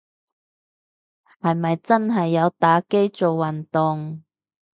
係咪真係有打機做運動